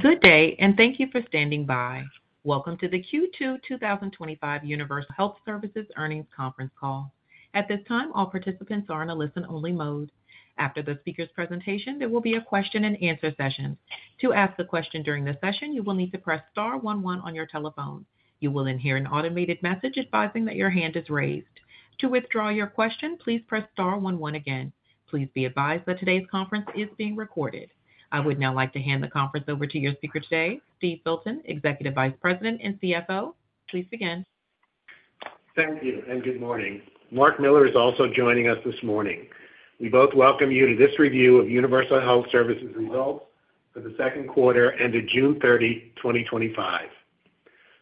Good day, and thank you for standing by. Welcome to the Q2 2025 Universal Health Services Earnings Conference Call. At this time, all participants are in a listen-only mode. After the speaker's presentation, there will be a question-and-answer session. To ask a question during the session, you will need to press star one one on your telephone. You will then hear an automated message advising that your hand is raised. To withdraw your question, please press star one one again. Please be advised that today's conference is being recorded. I would now like to hand the conference over to your speaker today, Steve Filton, Executive Vice President and CFO. Please begin. Thank you, and good morning. Marc Miller is also joining us this morning. We both welcome you to this review of Universal Health Services results for the second quarter ended June 30, 2025.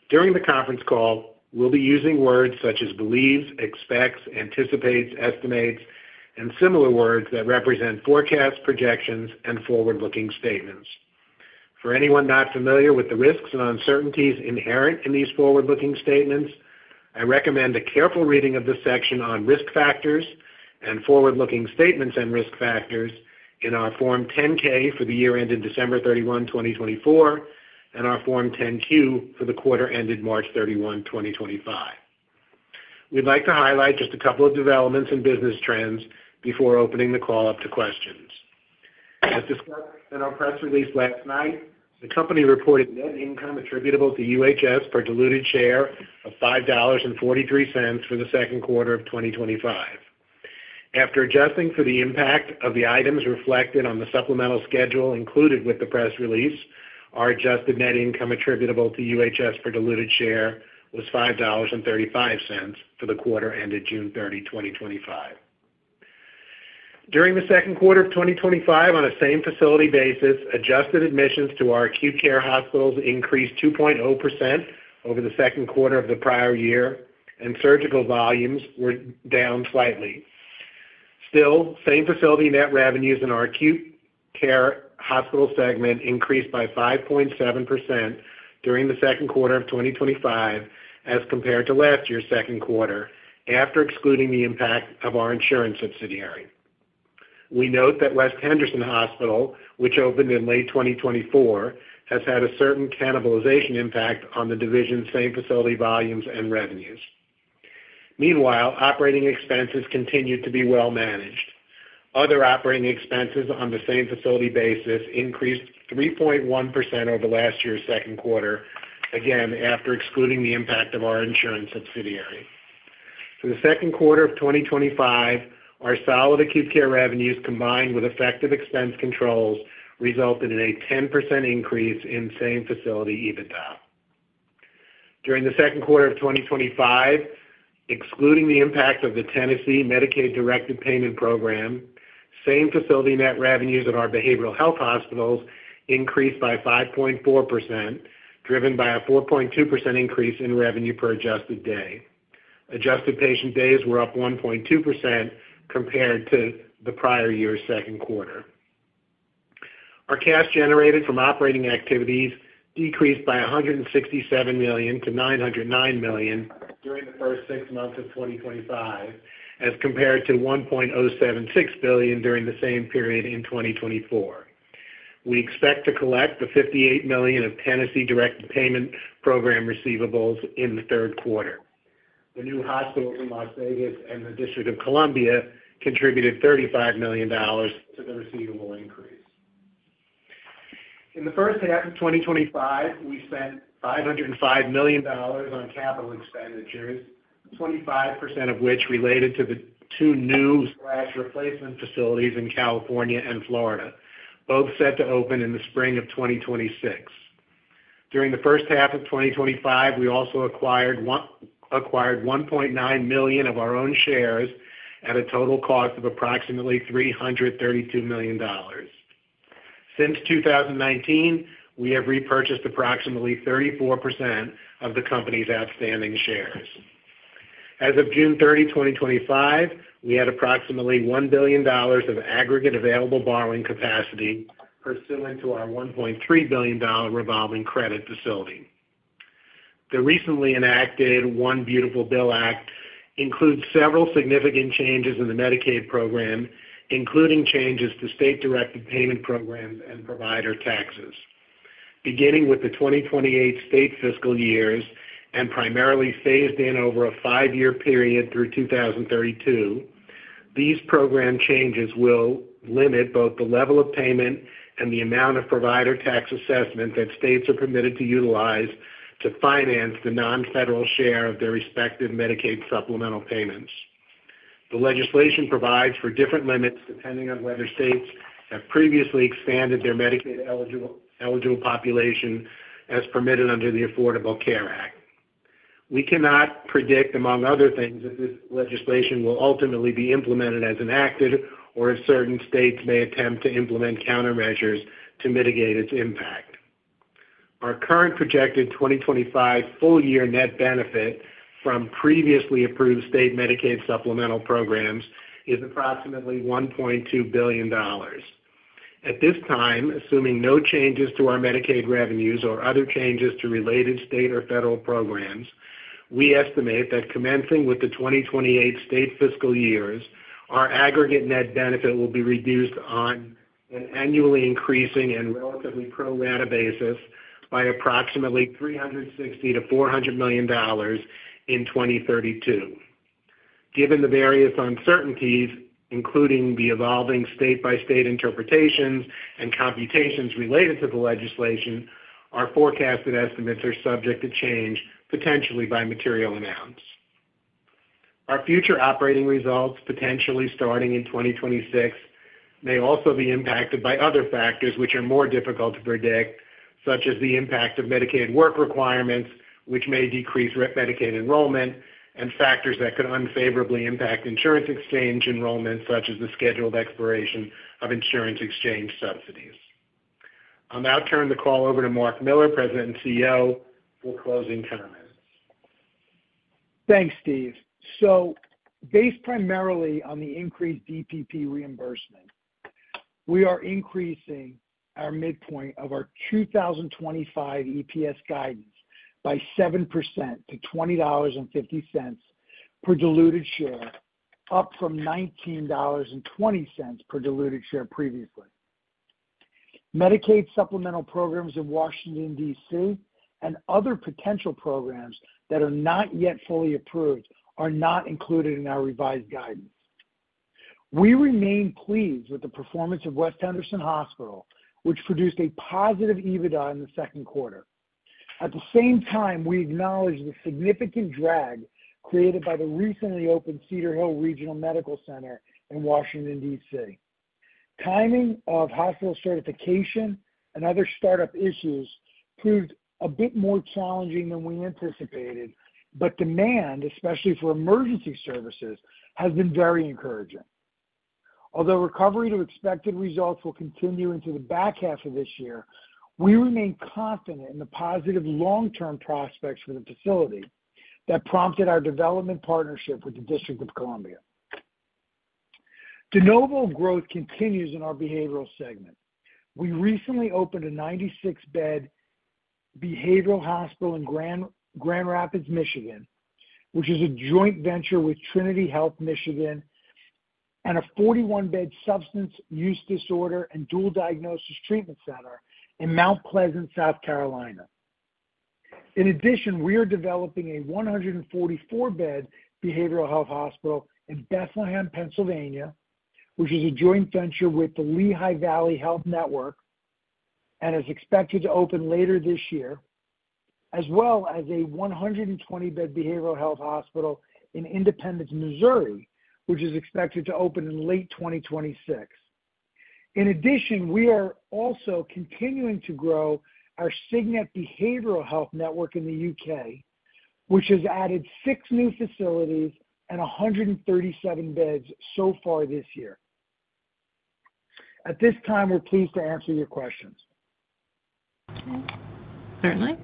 During the conference call, we'll be using words such as believes, expects, anticipates, estimates, and similar words that represent forecasts, projections, and forward-looking statements. For anyone not familiar with the risks and uncertainties inherent in these forward-looking statements, I recommend a careful reading of the section on risk factors and forward-looking statements and risk factors in our Form 10-K for the year ended December 31, 2024, and our Form 10-Q for the quarter ended March 31, 2025. We'd like to highlight just a couple of developments in business trends before opening the call up to questions. As discussed in our press release last night, the company reported net income attributable to UHS for a diluted share of $5.43 for the second quarter of 2025. After adjusting for the impact of the items reflected on the supplemental schedule included with the press release, our adjusted net income attributable to UHS for diluted share was $5.35 for the quarter ended June 30, 2025. During the second quarter of 2025, on a same-facility basis, Adjusted Admissions to our acute care hospitals increased 2.0% over the second quarter of the prior year, and surgical volumes were down slightly. Still, same-facility net revenues in our acute care hospital segment increased by 5.7% during the second quarter of 2025 as compared to last year's second quarter after excluding the impact of our insurance subsidiary. We note that West Henderson Hospital, which opened in late 2024, has had a certain cannibalization impact on the division's same-facility volumes and revenues. Meanwhile, operating expenses continued to be well-managed. Other operating expenses on the same-facility basis increased 3.1% over last year's second quarter, again after excluding the impact of our insurance subsidiary. For the second quarter of 2025, our solid acute care revenues combined with effective expense controls resulted in a 10% increase in same-facility EBITDA. During the second quarter of 2025, excluding the impact of the Tennessee Medicaid Directed Payment Program, same-facility net revenues at our behavioral health hospitals increased by 5.4%, driven by a 4.2% increase in revenue per adjusted day. Adjusted patient days were up 1.2% compared to the prior year's second quarter. Our cash generated from operating activities decreased by $167 million to $909 million during the first six months of 2025, as compared to $1.076 billion during the same period in 2024. We expect to collect the $58 million of Tennessee Directed Payment Program receivables in the third quarter. The new hospitals in Las Vegas and the District of Columbia contributed $35 million to the receivable increase. In the first half of 2025, we spent $505 million on capital expenditures, 25% of which related to the two new/replacement facilities in California and Florida, both set to open in the spring of 2026. During the first half of 2025, we also acquired 1.9 million of our own shares at a total cost of approximately $332 million. Since 2019, we have repurchased approximately 34% of the company's outstanding shares. As of June 30, 2025, we had approximately $1 billion of aggregate available borrowing capacity pursuant to our $1.3 billion revolving credit facility. The recently enacted One Beautiful Bill Act includes several significant changes in the Medicaid program, including changes to state-directed payment programs and provider taxes. Beginning with the 2028 state fiscal years and primarily phased in over a five-year period through 2032, these program changes will limit both the level of payment and the amount of provider tax assessment that states are permitted to utilize to finance the nonfederal share of their respective Medicaid Supplemental Payments. The legislation provides for different limits depending on whether states have previously expanded their Medicaid eligible population as permitted under the Affordable Care Act. We cannot predict, among other things, if this legislation will ultimately be implemented as enacted or if certain states may attempt to implement countermeasures to mitigate its impact. Our current projected 2025 full-year net benefit from previously approved state Medicaid supplemental programs is approximately $1.2 billion. At this time, assuming no changes to our Medicaid revenues or other changes to related state or federal programs, we estimate that commencing with the 2028 state fiscal years, our aggregate net benefit will be reduced on an annually increasing and relatively pro-rata basis by approximately $360 million-$400 million in 2032. Given the various uncertainties, including the evolving state-by-state interpretations and computations related to the legislation, our forecasted estimates are subject to change, potentially by material amounts. Our future operating results, potentially starting in 2026, may also be impacted by other factors which are more difficult to predict, such as the impact of Medicaid work requirements, which may decrease Medicaid enrollment, and factors that could unfavorably impact insurance exchange enrollment, such as the scheduled expiration of Insurance Exchange Subsidies. I'll now turn the call over to Marc Miller, President and CEO, for closing comments. Thanks, Steve. Based primarily on the increased DPP reimbursement, we are increasing our midpoint of our 2025 EPS guidance by 7% to $20.50 per diluted share, up from $19.20 per diluted share previously. Medicaid supplemental programs in Washington, D.C., and other potential programs that are not yet fully approved are not included in our revised guidance. We remain pleased with the performance of West Henderson Hospital, which produced a positive EBITDA in the second quarter. At the same time, we acknowledge the significant drag created by the recently opened Cedar Hill Regional Medical Center in Washington, D.C. Timing of hospital certification and other startup issues proved a bit more challenging than we anticipated, but demand, especially for emergency services, has been very encouraging. Although recovery to expected results will continue into the back half of this year, we remain confident in the positive long-term prospects for the facility that prompted our development partnership with the District of Columbia. De novo growth continues in our behavioral segment. We recently opened a 96-bed behavioral hospital in Grand Rapids, Michigan, which is a joint venture with Trinity Health Michigan, and a 41-bed substance use disorder and dual diagnosis treatment center in Mount Pleasant, South Carolina. In addition, we are developing a 144-bed behavioral health hospital in Bethlehem, Pennsylvania, which is a joint venture with the Lehigh Valley Health Network and is expected to open later this year, as well as a 120-bed behavioral health hospital in Independence, Missouri, which is expected to open in late 2026. In addition, we are also continuing to grow our Cygnet Behavioral Health Network in the U.K., which has added six new facilities and 137 beds so far this year. At this time, we're pleased to answer your questions. Certainly.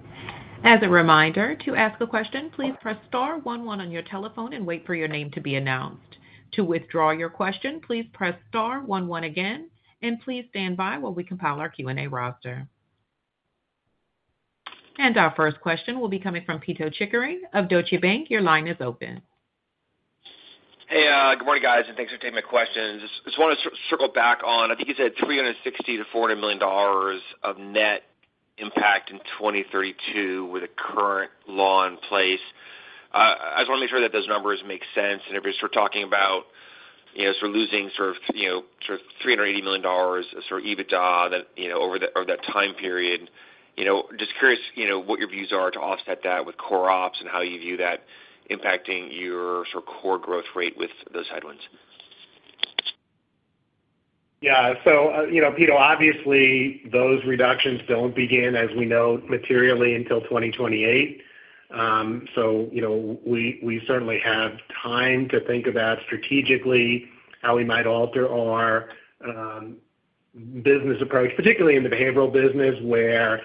As a reminder, to ask a question, please press star one one on your telephone and wait for your name to be announced. To withdraw your question, please press star one one again, and please stand by while we compile our Q&A roster. Our first question will be coming from Pito Chickering of Deutsche Bank. Your line is open. Hey, good morning, guys, and thanks for taking my questions. I just want to circle back on, I think you said $360 million-$400 million of net impact in 2032 with a current law in place. I just want to make sure that those numbers make sense. If we're talking about, if we're losing sort of [$300] million of sort of EBITDA over that time period, just curious what your views are to offset that with core ops and how you view that impacting your sort of core growth rate with those headwinds. Yeah. So, Pito, obviously, those reductions do not begin, as we know, materially until 2028. We certainly have time to think about strategically how we might alter our business approach, particularly in the behavioral business, where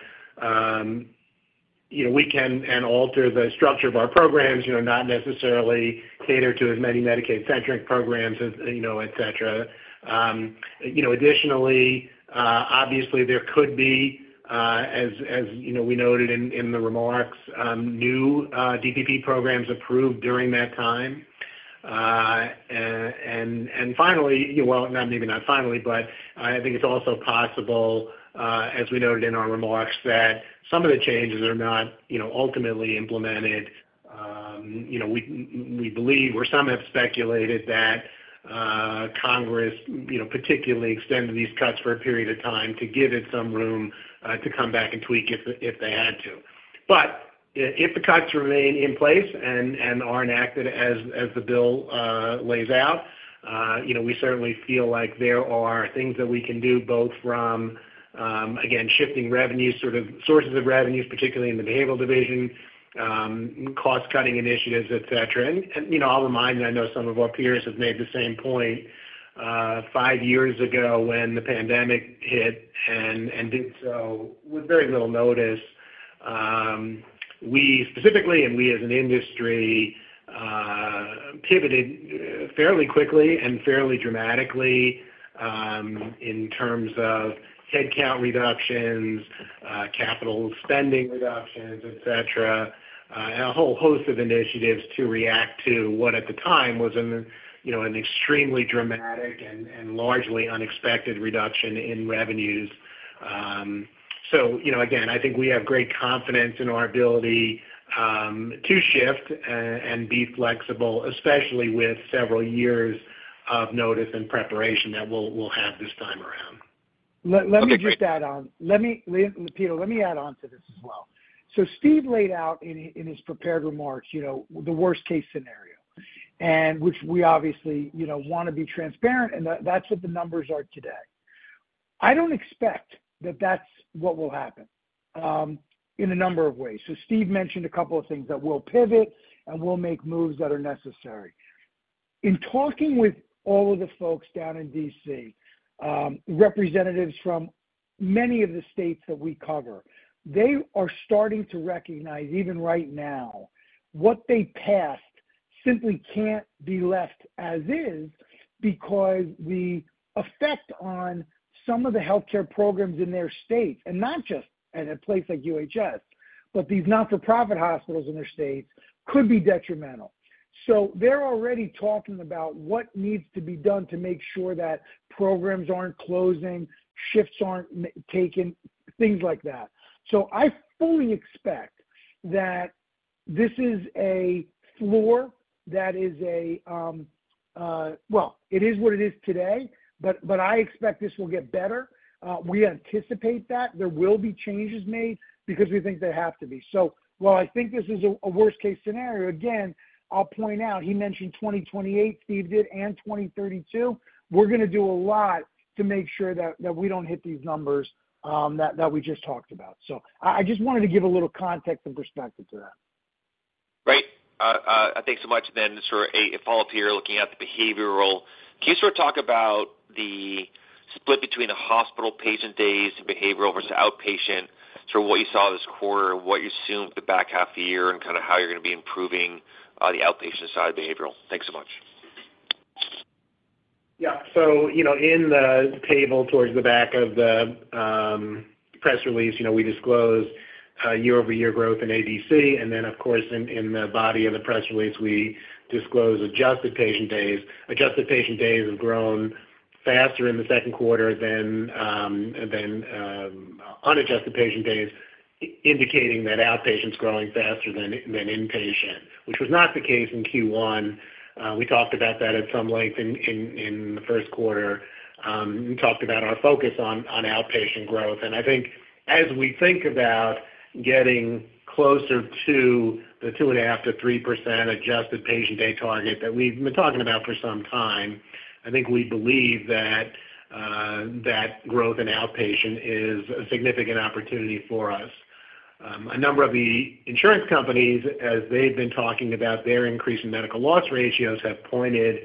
we can alter the structure of our programs, not necessarily cater to as many Medicaid-centric programs, etc. Additionally, obviously, there could be, as we noted in the remarks, new DPP programs approved during that time. Maybe not finally, but I think it is also possible, as we noted in our remarks, that some of the changes are not ultimately implemented. We believe, or some have speculated, that Congress particularly extended these cuts for a period of time to give it some room to come back and tweak if they had to. If the cuts remain in place and are enacted as the bill lays out, we certainly feel like there are things that we can do, both from shifting revenues, sort of sources of revenues, particularly in the behavioral division, cost-cutting initiatives, etc. I will remind you, I know some of our peers have made the same point. Five years ago when the pandemic hit and did so with very little notice, we specifically, and we as an industry, pivoted fairly quickly and fairly dramatically in terms of headcount reductions, capital spending reductions, etc., and a whole host of initiatives to react to what at the time was an extremely dramatic and largely unexpected reduction in revenues. I think we have great confidence in our ability to shift and be flexible, especially with several years of notice and preparation that we will have this time around. Let me just add on. Pito, let me add on to this as well. Steve laid out in his prepared remarks the worst-case scenario, which we obviously want to be transparent, and that's what the numbers are today. I don't expect that that's what will happen in a number of ways. Steve mentioned a couple of things that we'll pivot and we'll make moves that are necessary. In talking with all of the folks down in D.C., representatives from many of the states that we cover, they are starting to recognize even right now what they passed simply can't be left as is because the effect on some of the healthcare programs in their states, and not just at a place like UHS, but these not-for-profit hospitals in their states could be detrimental. They're already talking about what needs to be done to make sure that programs aren't closing, shifts aren't taken, things like that. I fully expect that this is a floor that is a, well, it is what it is today, but I expect this will get better. We anticipate that there will be changes made because we think they have to be. While I think this is a worst-case scenario, again, I'll point out, he mentioned 2028, Steve did, and 2032. We're going to do a lot to make sure that we don't hit these numbers that we just talked about. I just wanted to give a little context and perspective to that. Great. Thanks so much. Then sort of a follow-up here looking at the behavioral. Can you sort of talk about the split between the hospital patient days and behavioral versus outpatient, sort of what you saw this quarter, what you assumed the back half of the year, and kind of how you're going to be improving the outpatient side of behavioral? Thanks so much. Yeah. In the table towards the back of the press release, we disclosed year-over-year growth in ADC. In the body of the press release, we disclosed adjusted patient days. Adjusted patient days have grown faster in the second quarter than unadjusted patient days, indicating that outpatient is growing faster than inpatient, which was not the case in Q1. We talked about that at some length in the first quarter. We talked about our focus on outpatient growth. I think as we think about getting closer to the 2.5%-3% adjusted patient day target that we've been talking about for some time, I think we believe that growth in outpatient is a significant opportunity for us. A number of the insurance companies, as they've been talking about their increase in Medical Loss Ratios, have pointed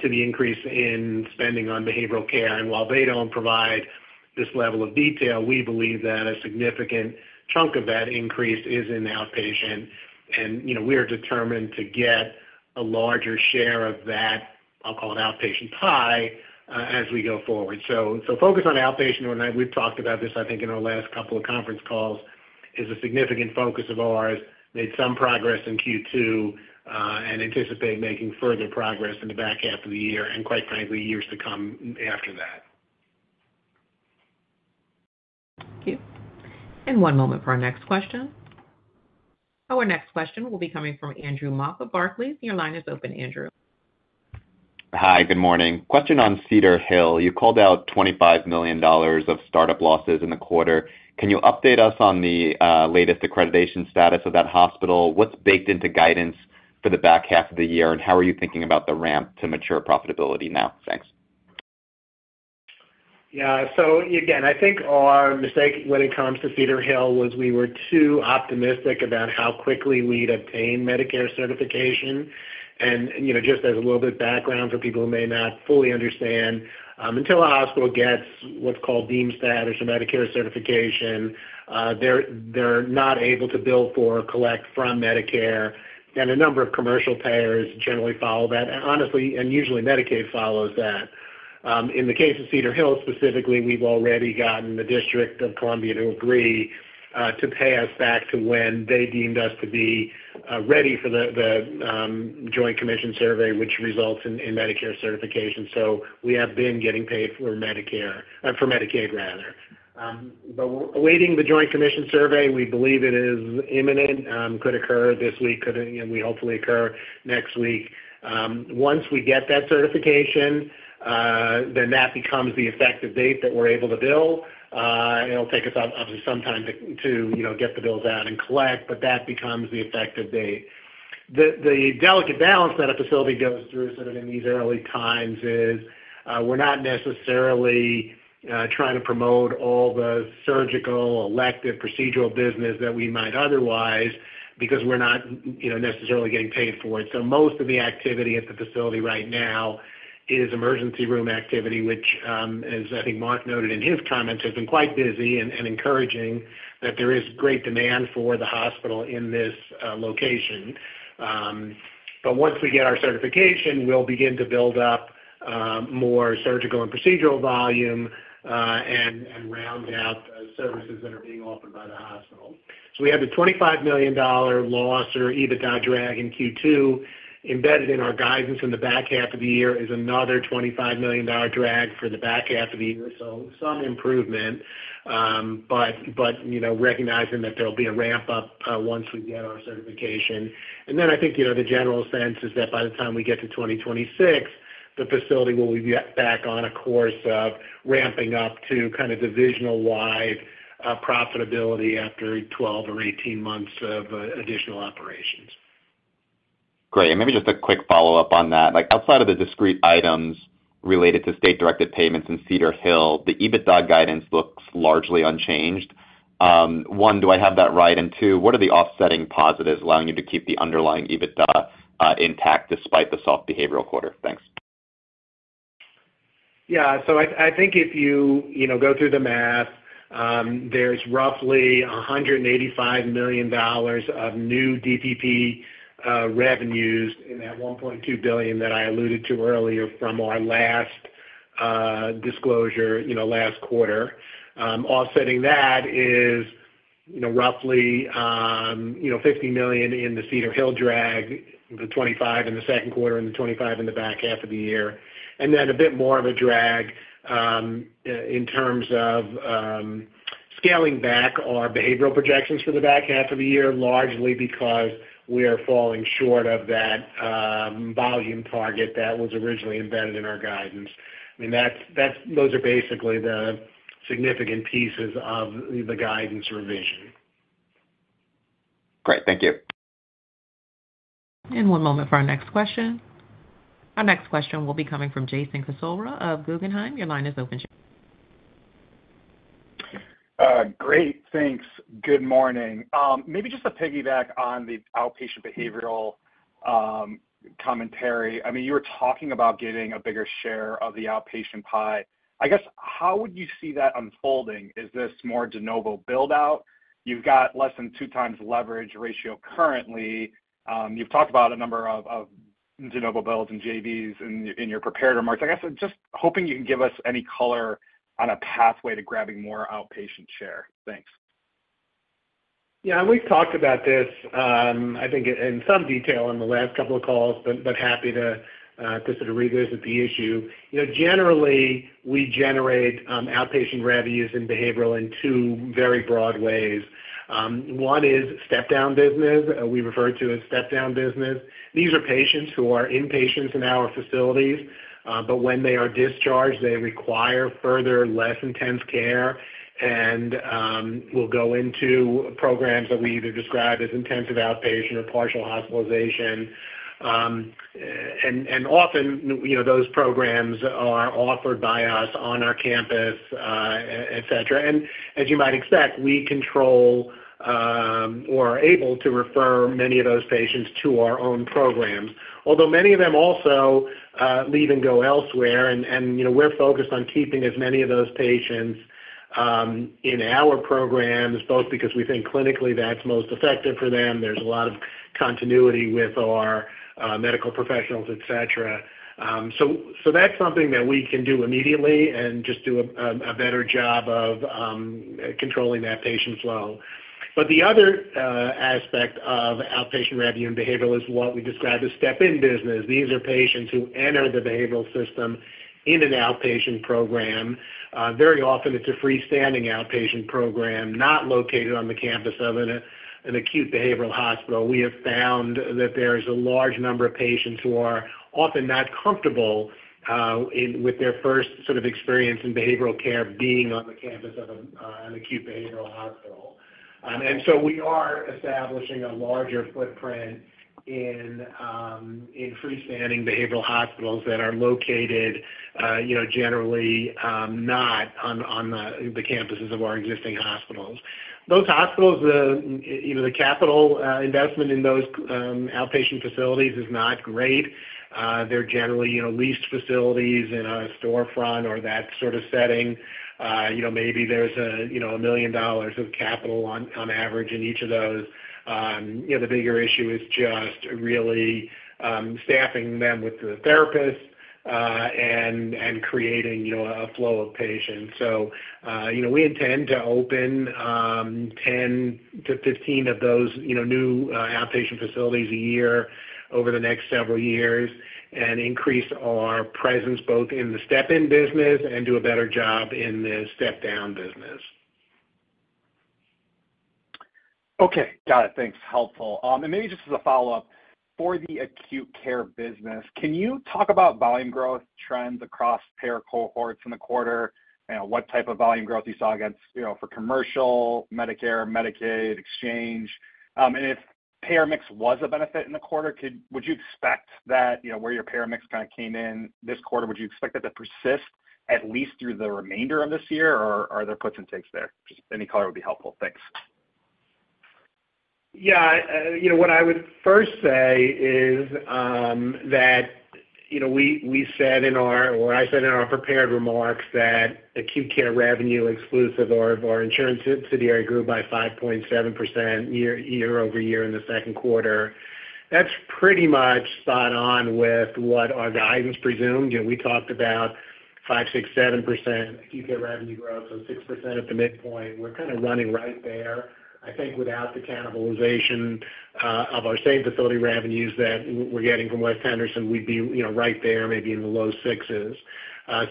to the increase in spending on behavioral care. While they do not provide this level of detail, we believe that a significant chunk of that increase is in outpatient. We are determined to get a larger share of that, I'll call it outpatient pie, as we go forward. Focus on outpatient, and we've talked about this, I think, in our last couple of conference calls, is a significant focus of ours. Made some progress in Q2 and anticipate making further progress in the back half of the year and, quite frankly, years to come after that. Thank you. One moment for our next question. Our next question will be coming from [Andrew Mafa Barkley]. Your line is open, Andrew. Hi, good morning. Question on Cedar Hill. You called out $25 million of startup losses in the quarter. Can you update us on the latest accreditation status of that hospital? What's baked into guidance for the back half of the year, and how are you thinking about the ramp to mature profitability now? Thanks. Yeah. Again, I think our mistake when it comes to Cedar Hill was we were too optimistic about how quickly we'd obtain Medicare certification. Just as a little bit of background for people who may not fully understand, until a hospital gets what's called deemed status or some Medicare certification, they're not able to bill for or collect from Medicare. A number of commercial payers generally follow that, and honestly, usually Medicaid follows that. In the case of Cedar Hill specifically, we've already gotten the District of Columbia to agree to pay us back to when they deemed us to be ready for the Joint Commission survey, which results in Medicare certification. We have been getting paid for Medicaid, rather, but awaiting the Joint Commission survey, we believe it is imminent. Could occur this week, could hopefully occur next week. Once we get that certification, then that becomes the effective date that we're able to bill. It'll take us, obviously, some time to get the bills out and collect, but that becomes the effective date. The delicate balance that a facility goes through sort of in these early times is we're not necessarily trying to promote all the surgical, elective, procedural business that we might otherwise because we're not necessarily getting paid for it. Most of the activity at the facility right now is emergency room activity, which, as I think Marc noted in his comments, has been quite busy and encouraging that there is great demand for the hospital in this location. Once we get our certification, we'll begin to build up more surgical and procedural volume and round out services that are being offered by the hospital. We have a $25 million loss or EBITDA drag in Q2 embedded in our guidance, and the back half of the year is another $25 million drag for the back half of the year. Some improvement, but recognizing that there'll be a ramp up once we get our certification. I think the general sense is that by the time we get to 2026, the facility will be back on a course of ramping up to kind of divisional-wide profitability after 12 or 18 months of additional operations. Great. Maybe just a quick follow-up on that. Outside of the discrete items related to state-directed payments in Cedar Hill, the EBITDA guidance looks largely unchanged. One, do I have that right? Two, what are the offsetting positives allowing you to keep the underlying EBITDA intact despite the soft behavioral quarter? Thanks. Yeah. I think if you go through the math, there's roughly $185 million of new DPP revenues in that $1.2 billion that I alluded to earlier from our last disclosure, last quarter. Offsetting that is roughly $50 million in the Cedar Hill drag, the $25 million in the second quarter and the $25 million in the back half of the year. And then a bit more of a drag in terms of scaling back our behavioral projections for the back half of the year, largely because we are falling short of that volume target that was originally embedded in our guidance. I mean, those are basically the significant pieces of the guidance revision. Great. Thank you. One moment for our next question. Our next question will be coming from Jason Cassorla of Guggenheim. Your line is open. Great. Thanks. Good morning. Maybe just a piggyback on the outpatient behavioral commentary. I mean, you were talking about getting a bigger share of the outpatient pie. I guess, how would you see that unfolding? Is this more de novo build-out? You've got less than two times leverage ratio currently. You've talked about a number of de novo builds and JVs in your prepared remarks. I guess I'm just hoping you can give us any color on a pathway to grabbing more outpatient share. Thanks. Yeah. We've talked about this, I think, in some detail in the last couple of calls, but happy to sort of revisit the issue. Generally, we generate outpatient revenues in behavioral in two very broad ways. One is step-down business, we refer to as step-down business. These are patients who are inpatients in our facilities, but when they are discharged, they require further, less intense care, and will go into programs that we either describe as Intensive Outpatient or Partial Hospitalization. Often, those programs are offered by us on our campus, etc. As you might expect, we control or are able to refer many of those patients to our own programs, although many of them also leave and go elsewhere. We're focused on keeping as many of those patients in our programs, both because we think clinically that's most effective for them. There's a lot of continuity with our medical professionals, etc. That's something that we can do immediately and just do a better job of controlling that patient flow. The other aspect of outpatient revenue in behavioral is what we describe as step-in business. These are patients who enter the behavioral system in an outpatient program. Very often, it's a freestanding outpatient program, not located on the campus of an acute behavioral hospital. We have found that there is a large number of patients who are often not comfortable with their first sort of experience in behavioral care being on the campus of an acute behavioral hospital. We are establishing a larger footprint in freestanding behavioral hospitals that are located generally not on the campuses of our existing hospitals. Those hospitals, the capital investment in those outpatient facilities is not great. They're generally leased facilities in a storefront or that sort of setting. Maybe there's $1 million of capital on average in each of those. The bigger issue is just really staffing them with the therapists and creating a flow of patients. We intend to open 10-15 of those new outpatient facilities a year over the next several years and increase our presence both in the step-in business and do a better job in the step-down business. Okay. Got it. Thanks. Helpful. Maybe just as a follow-up, for the acute care business, can you talk about volume growth trends across payer cohorts in the quarter? What type of volume growth you saw for commercial, Medicare, Medicaid, exchange? If payer mix was a benefit in the quarter, would you expect that where your payer mix kind of came in this quarter, would you expect that to persist at least through the remainder of this year, or are there puts and takes there? Just any color would be helpful. Thanks. Yeah. What I would first say is that we said in our, or I said in our prepared remarks, that acute care revenue exclusive of our insurance subsidiary grew by 5.7% year-over-year in the second quarter. That's pretty much spot on with what our guidance presumed. We talked about 5-7% acute care revenue growth, so 6% at the midpoint. We're kind of running right there. I think without the cannibalization of our same-facility revenues that we're getting from West Henderson, we'd be right there, maybe in the low 6s.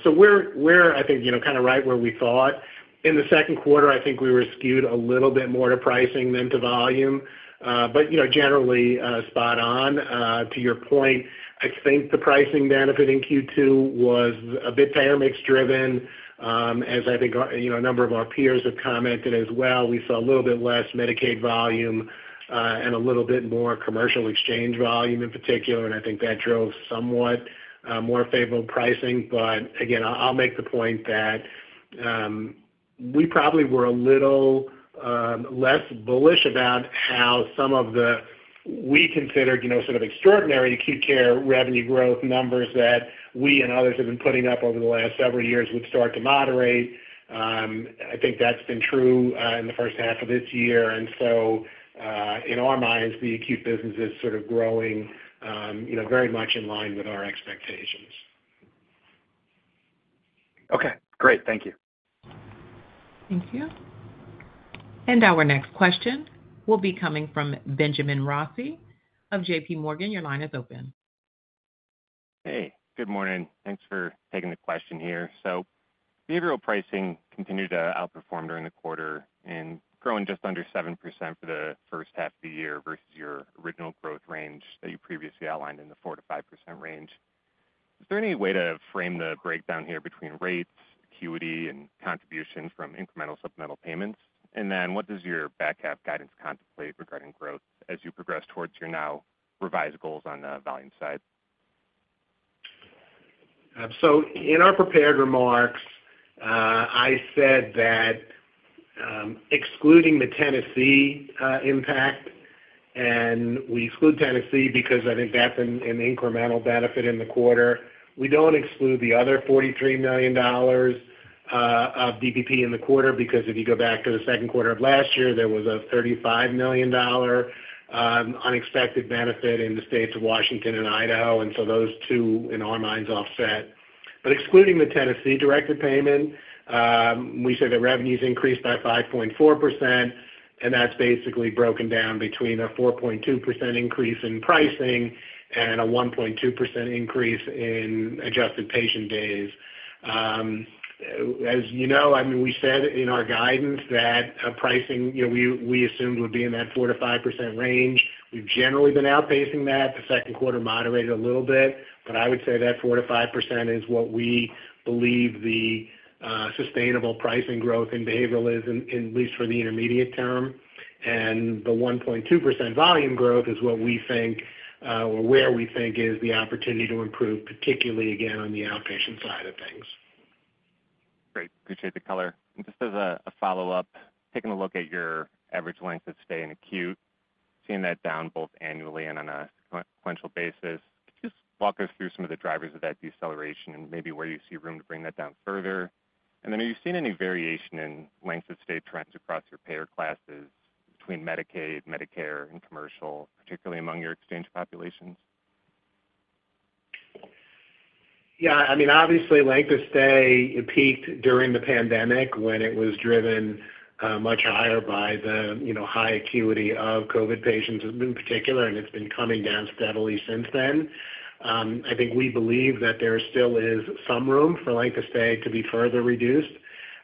We're, I think, kind of right where we thought. In the second quarter, I think we were skewed a little bit more to pricing than to volume, but generally spot on. To your point, I think the pricing benefit in Q2 was a bit payer mix driven. As I think a number of our peers have commented as well, we saw a little bit less Medicaid volume and a little bit more commercial exchange volume in particular, and I think that drove somewhat more favorable pricing. Again, I'll make the point that we probably were a little less bullish about how some of the, we considered sort of extraordinary acute care revenue growth numbers that we and others have been putting up over the last several years, would start to moderate. I think that's been true in the first half of this year. In our minds, the acute business is sort of growing very much in line with our expectations. Okay. Great. Thank you. Thank you. Our next question will be coming from Benjamin Rossi of JPMorgan. Your line is open. Hey. Good morning. Thanks for taking the question here. Behavioral pricing continued to outperform during the quarter and growing just under 7% for the first half of the year versus your original growth range that you previously outlined in the 4%-5% range. Is there any way to frame the breakdown here between rates, acuity, and contribution from incremental supplemental payments? What does your back half guidance contemplate regarding growth as you progress towards your now revised goals on the volume side? In our prepared remarks, I said that, excluding the Tennessee impact, and we exclude Tennessee because I think that's an incremental benefit in the quarter, we don't exclude the other $43 million of DPP in the quarter because if you go back to the second quarter of last year, there was a $35 million unexpected benefit in the states of Washington and Idaho, and so those two, in our minds, offset. Excluding the Tennessee directed payment, we say that revenues increased by 5.4%. That's basically broken down between a 4.2% increase in pricing and a 1.2% increase in adjusted patient days. As you know, I mean, we said in our guidance that pricing we assumed would be in that 4%-5% range. We've generally been outpacing that. The second quarter moderated a little bit. I would say that 4%-5% is what we believe the sustainable pricing growth in behavioral is, at least for the intermediate term. The 1.2% volume growth is what we think, or where we think, is the opportunity to improve, particularly, again, on the outpatient side of things. Great. Appreciate the color. Just as a follow-up, taking a look at your average length of stay in acute, seeing that down both annually and on a sequential basis, could you just walk us through some of the drivers of that deceleration and maybe where you see room to bring that down further? Are you seeing any variation in length of stay trends across your payer classes between Medicaid, Medicare, and commercial, particularly among your exchange populations? Yeah. I mean, obviously, length of stay peaked during the pandemic when it was driven much higher by the high acuity of COVID patients in particular, and it's been coming down steadily since then. I think we believe that there still is some room for length of stay to be further reduced.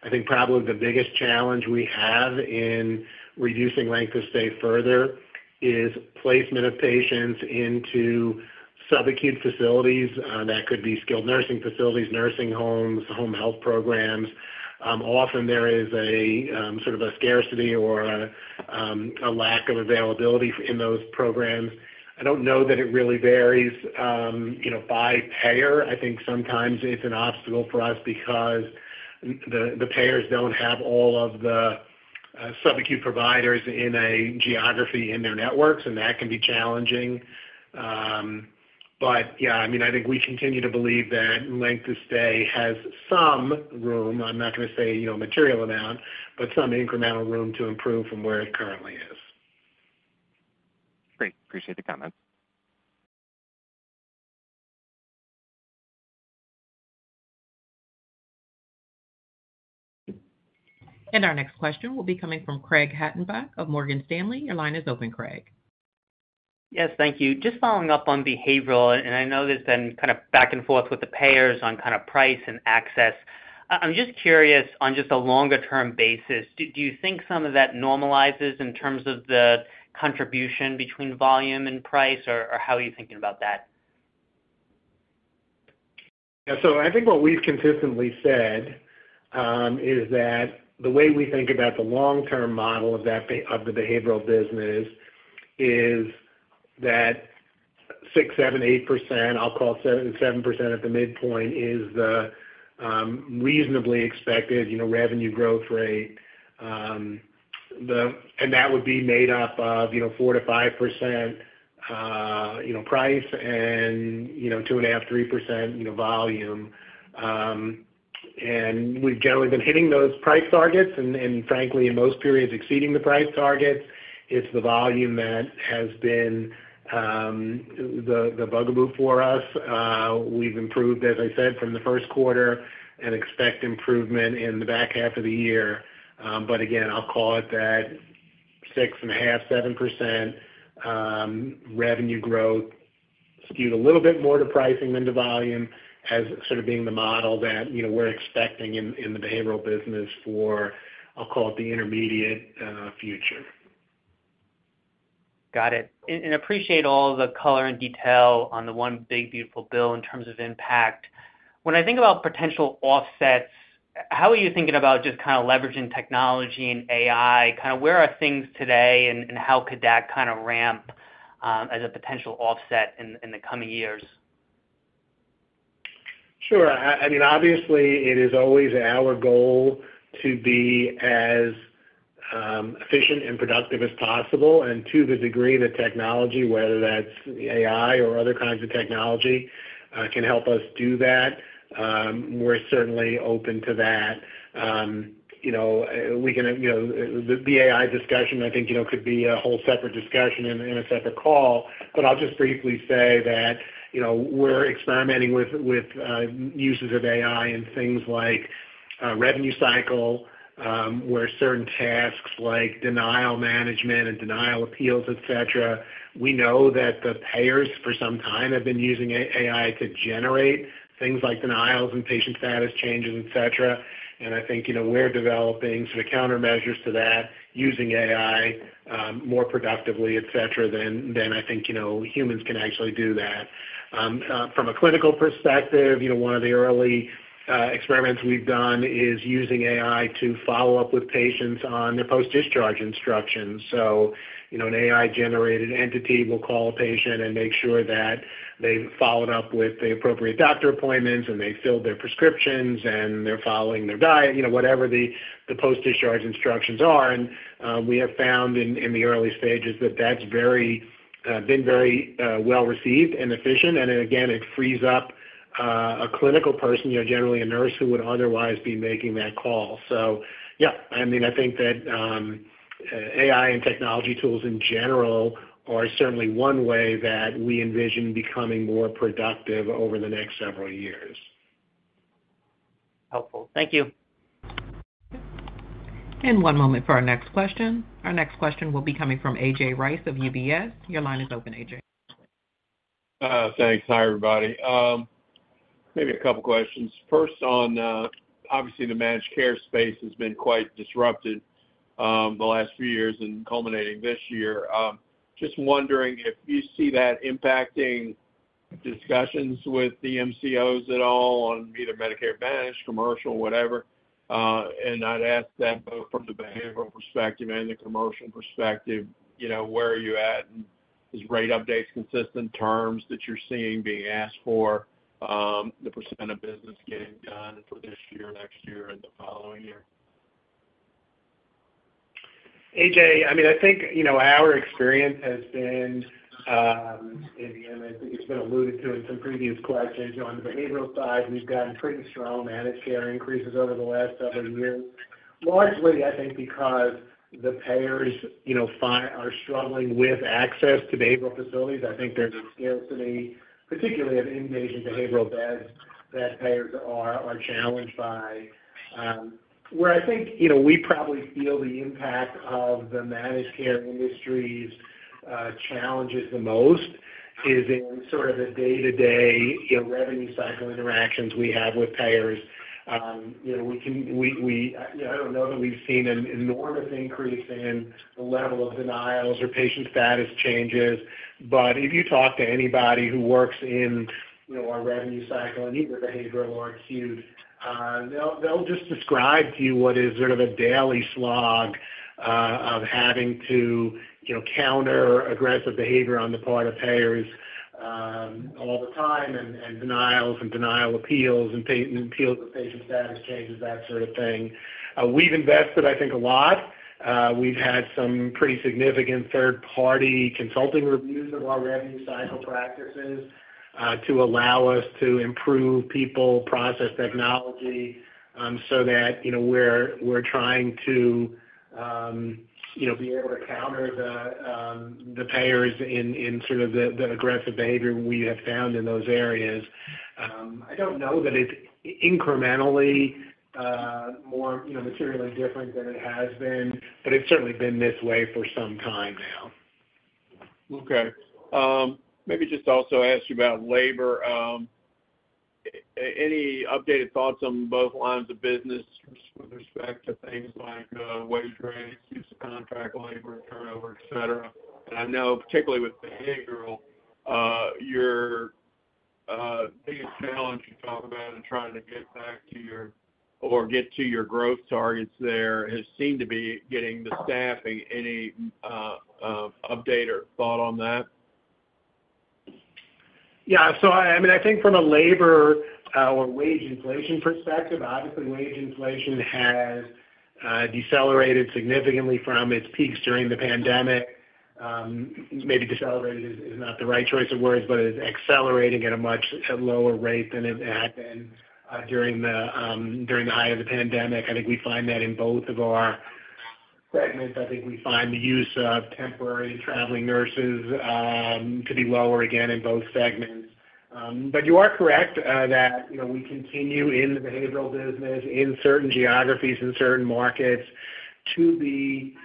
I think probably the biggest challenge we have in reducing length of stay further is placement of patients into subacute facilities. That could be skilled nursing facilities, nursing homes, home health programs. Often, there is sort of a scarcity or a lack of availability in those programs. I don't know that it really varies by payer. I think sometimes it's an obstacle for us because the payers don't have all of the subacute providers in a geography in their networks, and that can be challenging. Yeah, I mean, I think we continue to believe that length of stay has some room. I'm not going to say material amount, but some incremental room to improve from where it currently is. Great. Appreciate the comments. Our next question will be coming from Craig Hettenbach of Morgan Stanley. Your line is open, Craig. Yes. Thank you. Just following up on behavioral, and I know there's been kind of back and forth with the payers on kind of price and access. I'm just curious on just a longer term basis, do you think some of that normalizes in terms of the contribution between volume and price, or how are you thinking about that? Yeah. I think what we've consistently said is that the way we think about the long-term model of the behavioral business is that 6%, 7%, 8%, I'll call 7% at the midpoint, is the reasonably expected revenue growth rate. That would be made up of 4%-5% price and 2.5%, 3% volume. We've generally been hitting those price targets, and frankly, in most periods, exceeding the price targets. It's the volume that has been the bugaboo for us. We've improved, as I said, from the first quarter and expect improvement in the back half of the year. Again, I'll call it that 6.5%, 7% revenue growth, skewed a little bit more to pricing than to volume as sort of being the model that we're expecting in the behavioral business for, I'll call it, the intermediate future. Got it. I appreciate all the color and detail on the One Big Beautiful Bill in terms of impact. When I think about potential offsets, how are you thinking about just kind of leveraging technology and AI? Kind of where are things today, and how could that kind of ramp as a potential offset in the coming years? Sure. I mean, obviously, it is always our goal to be as efficient and productive as possible and to the degree that technology, whether that's AI or other kinds of technology, can help us do that. We're certainly open to that. The AI discussion, I think, could be a whole separate discussion in a separate call. I'll just briefly say that we're experimenting with uses of AI in things like revenue cycle, where certain tasks like denial management and denial appeals, etc., we know that the payers for some time have been using AI to generate things like denials and patient status changes, etc. I think we're developing sort of countermeasures to that using AI more productively, etc., than I think humans can actually do that. From a clinical perspective, one of the early experiments we've done is using AI to follow up with patients on their post-discharge instructions. An AI-generated entity will call a patient and make sure that they've followed up with the appropriate doctor appointments and they filled their prescriptions and they're following their diet, whatever the post-discharge instructions are. We have found in the early stages that that's been very well received and efficient. Again, it frees up a clinical person, generally a nurse, who would otherwise be making that call. Yeah, I mean, I think that AI and technology tools in general are certainly one way that we envision becoming more productive over the next several years. Helpful. Thank you. One moment for our next question. Our next question will be coming from A.J. Rice of UBS. Your line is open, A.J. Thanks. Hi, everybody. Maybe a couple of questions. First, obviously, the managed care space has been quite disrupted the last few years and culminating this year. Just wondering if you see that impacting discussions with the MCOs at all on either Medicare Advantage, commercial, whatever. I'd ask that both from the behavioral perspective and the commercial perspective, where are you at? Is rate updates consistent? Terms that you're seeing being asked for. The percent of business getting done for this year, next year, and the following year? A.J., I mean, I think our experience has been. I think it's been alluded to in some previous questions. On the behavioral side, we've gotten pretty strong managed care increases over the last several years, largely, I think, because the payers are struggling with access to behavioral facilities. I think there's a scarcity, particularly of inpatient behavioral beds that payers are challenged by. Where I think we probably feel the impact of the managed care industry's challenges the most is in sort of the day-to-day revenue cycle interactions we have with payers. I don't know that we've seen an enormous increase in the level of denials or patient status changes. If you talk to anybody who works in our revenue cycle, in either behavioral or acute, they'll just describe to you what is sort of a daily slog of having to counter aggressive behavior on the part of payers all the time and denials and denial appeals and appeals of patient status changes, that sort of thing. We've invested, I think, a lot. We've had some pretty significant third-party consulting reviews of our revenue cycle practices to allow us to improve people, process, technology so that we're trying to be able to counter the payers in sort of the aggressive behavior we have found in those areas. I don't know that it's incrementally more materially different than it has been, but it's certainly been this way for some time now. Okay. Maybe just also ask you about labor. Any updated thoughts on both lines of business with respect to things like wage rates, use of contract labor, turnover, etc.? I know, particularly with behavioral, your biggest challenge you talk about in trying to get back to your or get to your growth targets there has seemed to be getting the staffing. Any update or thought on that? Yeah. I mean, I think from a labor or wage inflation perspective, obviously, wage inflation has decelerated significantly from its peaks during the pandemic. Maybe decelerated is not the right choice of words, but it is accelerating at a much lower rate than it had been during the height of the pandemic. I think we find that in both of our segments. I think we find the use of temporary and traveling nurses to be lower again in both segments. You are correct that we continue in the behavioral business in certain geographies, in certain markets, to be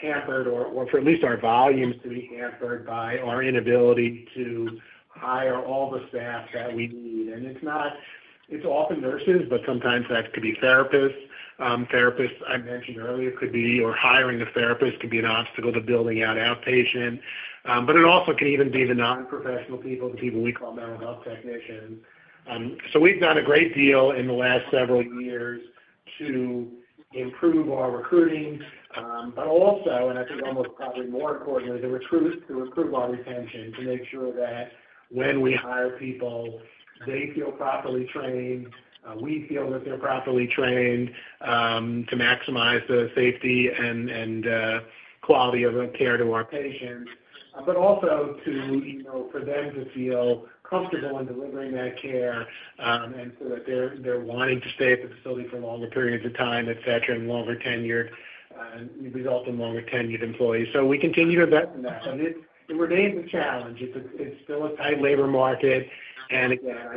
hampered, or for at least our volumes to be hampered, by our inability to hire all the staff that we need. It is often nurses, but sometimes that could be therapists. Therapists, I mentioned earlier, could be, or hiring the therapists could be, an obstacle to building out outpatient. It also can even be the nonprofessional people, the people we call mental health technicians. We have done a great deal in the last several years to improve our recruiting, but also, and I think almost probably more importantly, to recruit our retention, to make sure that when we hire people, they feel properly trained, we feel that they are properly trained to maximize the safety and quality of care to our patients, but also for them to feel comfortable in delivering that care. So that they are wanting to stay at the facility for longer periods of time, etc., and result in longer-tenured employees. We continue to invest in that. It remains a challenge. It is still a tight labor market. I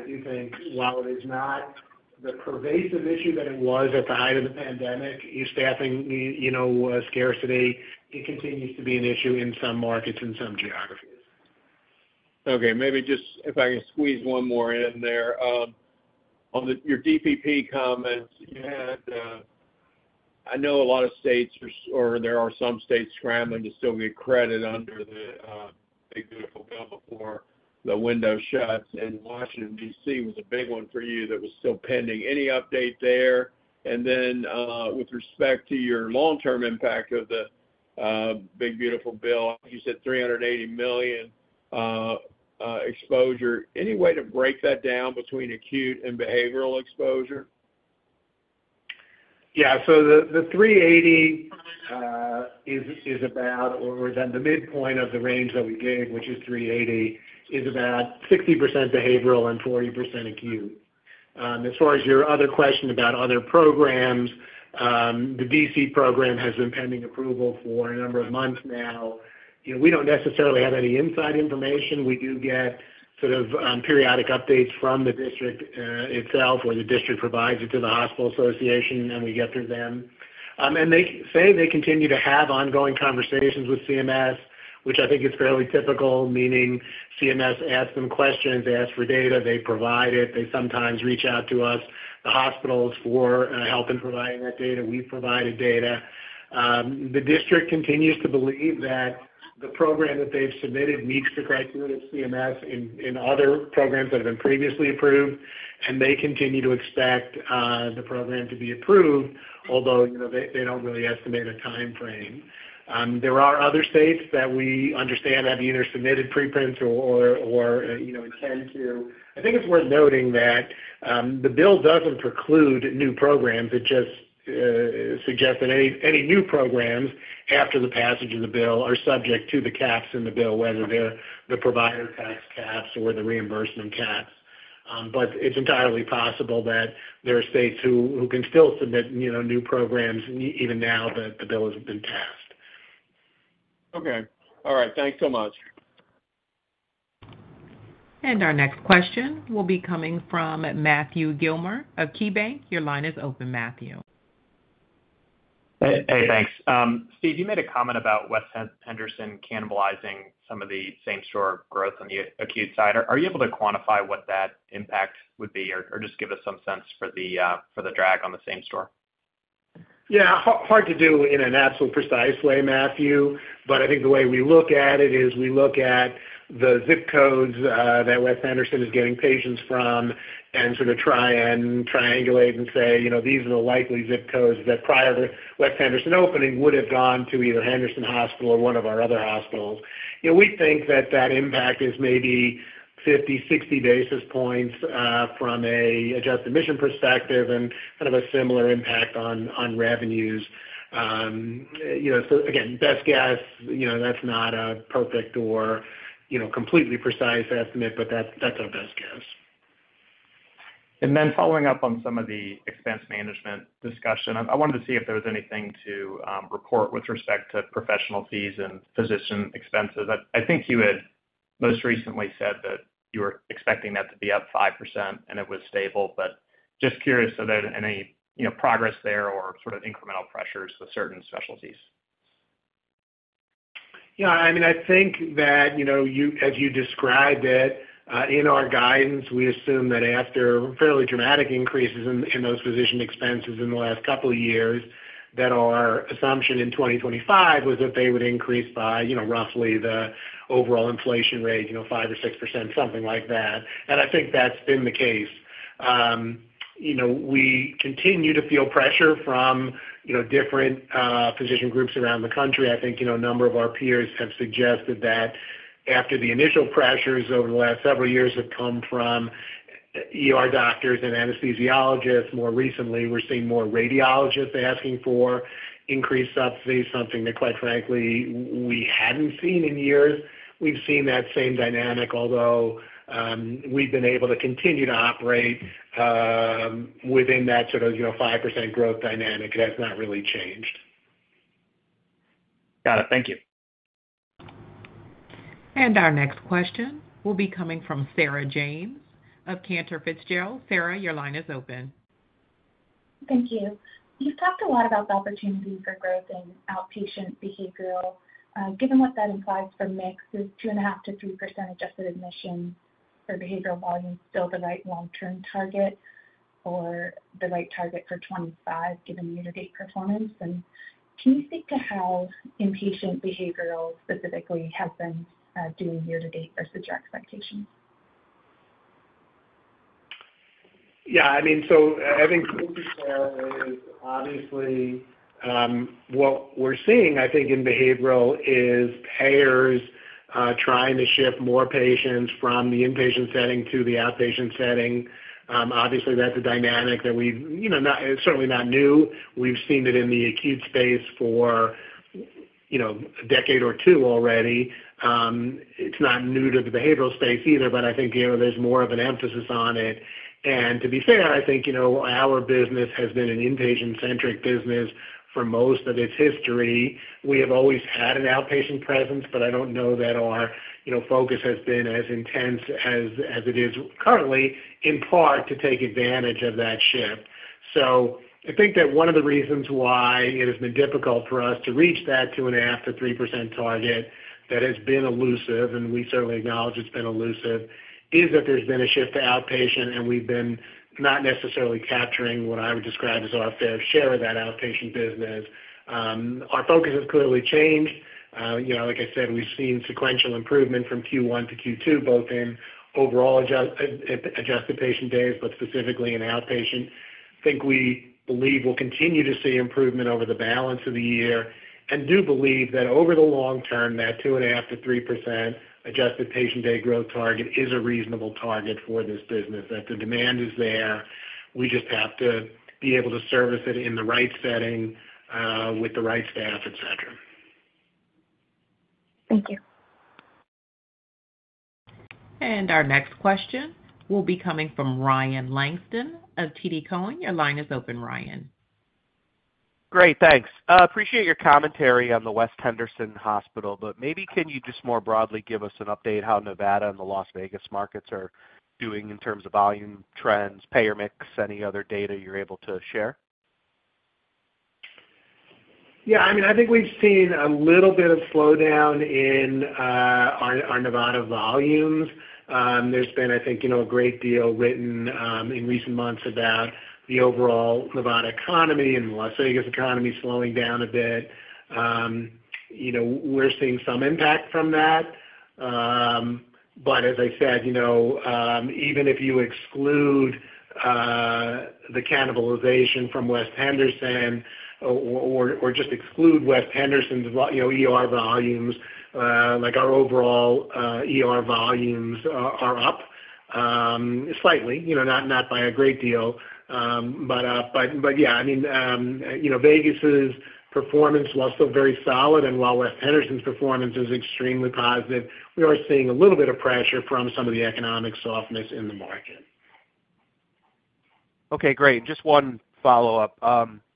do think while it is not the pervasive issue that it was at the height of the pandemic, staffing scarcity continues to be an issue in some markets and some geographies. Okay. Maybe just if I can squeeze one more in there. On your DPP comments, you had. I know a lot of states, or there are some states scrambling to still get credit under the One Big Beautiful Bill Act before the window shut. Washington, D.C., was a big one for you that was still pending. Any update there? With respect to your long-term impact of the Big Beautiful Bill, you said $380 million exposure, any way to break that down between acute and behavioral exposure? Yeah. So the $380 million is about, or the midpoint of the range that we gave, which is $380 million, is about 60% behavioral and 40% acute. As far as your other question about other programs, the D.C. program has been pending approval for a number of months now. We do not necessarily have any inside information. We do get sort of periodic updates from the district itself, or the district provides it to the hospital association, and we get through them. They say they continue to have ongoing conversations with CMS, which I think is fairly typical, meaning CMS asks them questions, asks for data, they provide it. They sometimes reach out to us, the hospitals, for help in providing that data. We have provided data. The district continues to believe that the program that they have submitted meets the criteria of CMS in other programs that have been previously approved, and they continue to expect the program to be approved, although they do not really estimate a timeframe. There are other states that we understand have either submitted preprints or intend to. I think it is worth noting that the bill does not preclude new programs. It just suggests that any new programs after the passage of the bill are subject to the caps in the bill, whether they are the provider tax caps or the reimbursement caps. It is entirely possible that there are states who can still submit new programs even now that the bill has been passed. Okay. All right. Thanks so much. Our next question will be coming from Matthew Gillmor of KeyBanc. Your line is open, Matthew. Hey, thanks. Steve, you made a comment about West Henderson cannibalizing some of the same-store growth on the acute side. Are you able to quantify what that impact would be or just give us some sense for the drag on the same-store? Yeah. Hard to do in an absolutely precise way, Matthew. But I think the way we look at it is we look at the zip codes that West Henderson is getting patients from and sort of try and triangulate and say, "These are the likely zip codes that prior to West Henderson opening would have gone to either Henderson Hospital or one of our other hospitals." We think that that impact is maybe 50-60 basis points from an Adjusted Admission perspective and kind of a similar impact on revenues. Again, best guess, that's not a perfect or completely precise estimate, but that's our best guess. Following up on some of the expense management discussion, I wanted to see if there was anything to report with respect to professional fees and physician expenses. I think you had most recently said that you were expecting that to be up 5%, and it was stable. Just curious if there's any progress there or sort of incremental pressures with certain specialties. Yeah. I mean, I think that as you described it, in our guidance, we assume that after fairly dramatic increases in those physician expenses in the last couple of years, that our assumption in 2025 was that they would increase by roughly the overall inflation rate, 5% or 6%, something like that. I think that's been the case. We continue to feel pressure from different physician groups around the country. I think a number of our peers have suggested that after the initial pressures over the last several years have come from doctors and anesthesiologists, more recently, we're seeing more radiologists asking for increased subsidies, something that, quite frankly, we hadn't seen in years. We've seen that same dynamic, although we've been able to continue to operate within that sort of 5% growth dynamic. It has not really changed. Got it. Thank you. Our next question will be coming from Sarah James of Cantor Fitzgerald. Sarah, your line is open. Thank you. You've talked a lot about the opportunity for growth in outpatient behavioral. Given what that implies for mix, is 2.5%-3% Adjusted Admission for behavioral volume still the right long-term target or the right target for 2025, given year-to-date performance? Can you speak to how inpatient behavioral specifically has been doing year-to-date versus your expectations? Yeah. I mean, so I think. Obviously. What we're seeing, I think, in behavioral is payers trying to shift more patients from the inpatient setting to the outpatient setting. Obviously, that's a dynamic that we've—it's certainly not new. We've seen it in the acute space for a decade or two already. It's not new to the behavioral space either, but I think there's more of an emphasis on it. To be fair, I think our business has been an inpatient-centric business for most of its history. We have always had an outpatient presence, but I don't know that our focus has been as intense as it is currently, in part to take advantage of that shift. I think that one of the reasons why it has been difficult for us to reach that 2.5%-3% target that has been elusive, and we certainly acknowledge it's been elusive, is that there's been a shift to outpatient, and we've been not necessarily capturing what I would describe as our fair share of that outpatient business. Our focus has clearly changed. Like I said, we've seen sequential improvement from Q1 to Q2, both in overall adjusted patient days, but specifically in outpatient. I think we believe we'll continue to see improvement over the balance of the year and do believe that over the long term, that 2.5%-3% adjusted patient day growth target is a reasonable target for this business, that the demand is there. We just have to be able to service it in the right setting with the right staff, etc. Thank you. Our next question will be coming from Ryan Langston of TD Cowen. Your line is open, Ryan. Great. Thanks. Appreciate your commentary on the West Henderson Hospital, but maybe can you just more broadly give us an update on how Nevada and the Las Vegas markets are doing in terms of volume trends, payer mix, any other data you're able to share? Yeah. I mean, I think we've seen a little bit of slowdown in our Nevada volumes. There's been, I think, a great deal written in recent months about the overall Nevada economy and the Las Vegas economy slowing down a bit. We're seeing some impact from that. As I said, even if you exclude the cannibalization from West Henderson or just exclude West Henderson's volumes, our overall volumes are up slightly, not by a great deal. Yeah, I mean, Vegas's performance, while still very solid and while West Henderson's performance is extremely positive, we are seeing a little bit of pressure from some of the economic softness in the market. Okay. Great. Just one follow-up.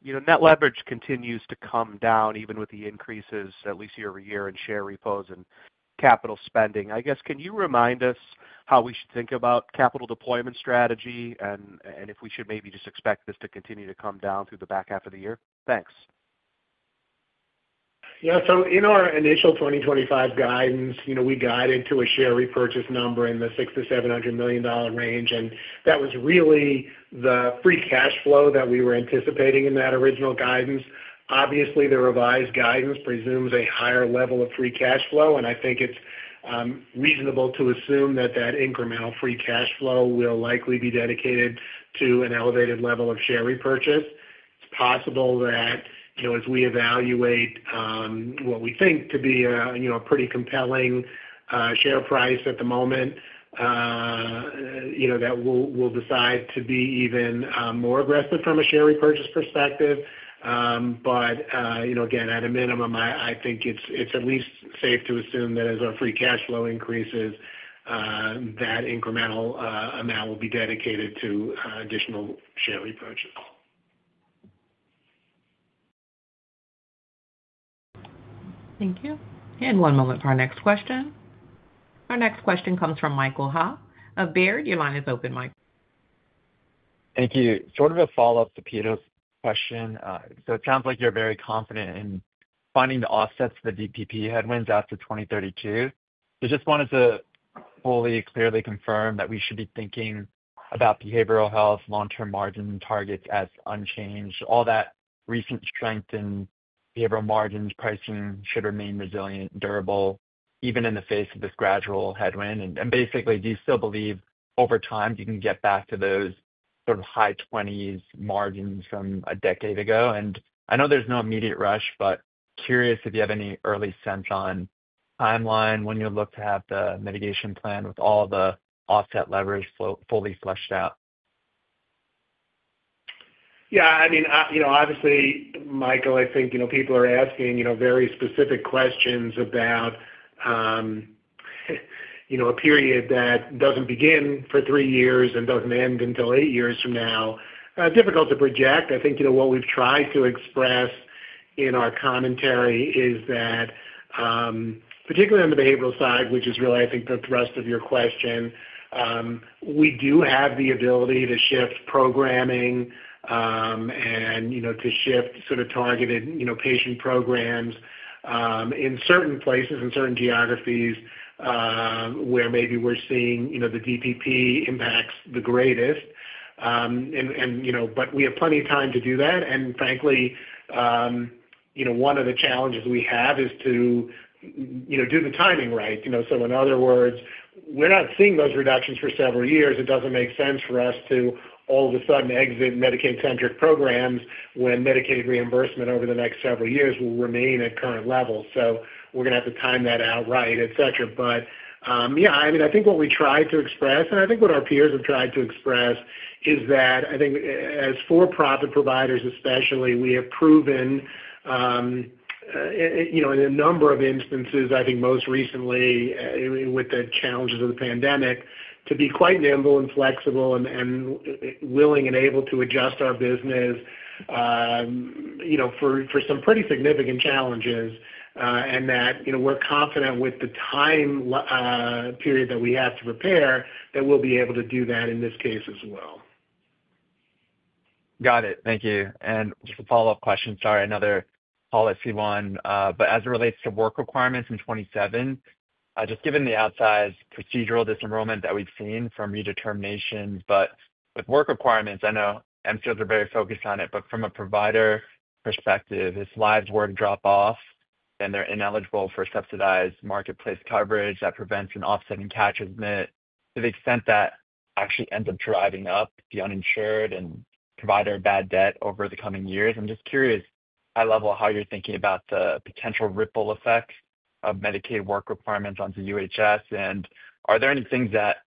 Net leverage continues to come down even with the increases, at least year-over-year, in share repos and capital spending. I guess, can you remind us how we should think about capital deployment strategy and if we should maybe just expect this to continue to come down through the back half of the year? Thanks. Yeah. In our initial 2025 guidance, we guided to a share repurchase number in the $600 million-$700 million range. That was really the free cash flow that we were anticipating in that original guidance. Obviously, the revised guidance presumes a higher level of free cash flow, and I think it's reasonable to assume that that incremental free cash flow will likely be dedicated to an elevated level of share repurchase. It's possible that, as we evaluate what we think to be a pretty compelling share price at the moment, we'll decide to be even more aggressive from a share repurchase perspective. Again, at a minimum, I think it's at least safe to assume that as our free cash flow increases, that incremental amount will be dedicated to additional share repurchase. Thank you. One moment for our next question. Our next question comes from Michael Ha of Baird. Your line is open, Mike. Thank you. Sort of a follow-up to Pito's question. It sounds like you're very confident in finding the offsets to the DPP headwinds after 2032. I just wanted to fully clearly confirm that we should be thinking about behavioral health, long-term margin targets as unchanged. All that recent strength in behavioral margin pricing should remain resilient and durable even in the face of this gradual headwind. Basically, do you still believe over time you can get back to those sort of high 20s margins from a decade ago? I know there's no immediate rush, but curious if you have any early sense on timeline when you'll look to have the mitigation plan with all the offset leverage fully flushed out. Yeah. I mean, obviously, Michael, I think people are asking very specific questions about a period that doesn't begin for three years and doesn't end until eight years from now. Difficult to project. I think what we've tried to express in our commentary is that, particularly on the behavioral side, which is really, I think, the thrust of your question, we do have the ability to shift programming and to shift sort of targeted patient programs in certain places and certain geographies where maybe we're seeing the DPP impacts the greatest. But we have plenty of time to do that. And frankly, one of the challenges we have is to do the timing right. In other words, we're not seeing those reductions for several years. It doesn't make sense for us to all of a sudden exit Medicaid-centric programs when Medicaid reimbursement over the next several years will remain at current levels. We're going to have to time that out right, etc. Yeah, I mean, I think what we tried to express, and I think what our peers have tried to express, is that I think as for-profit providers especially, we have proven in a number of instances, I think most recently with the challenges of the pandemic, to be quite nimble and flexible and willing and able to adjust our business for some pretty significant challenges. We're confident with the time period that we have to prepare, that we'll be able to do that in this case as well. Got it. Thank you. Just a follow-up question. Sorry, another policy one. As it relates to work requirements in 2027, just given the outsized procedural disenrollment that we've seen from redeterminations. With work requirements, I know MCOs are very focused on it, but from a provider perspective, if lives were to drop off and they're ineligible for subsidized marketplace coverage that prevents an offsetting catch asmit, to the extent that actually ends up driving up the uninsured and provider bad debt over the coming years, I'm just curious high level how you're thinking about the potential ripple effects of Medicaid work requirements onto UHS. Are there any things that